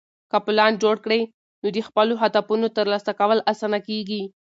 که پلان جوړ کړې، نو د خپلو هدفونو ترلاسه کول اسانه کېږي.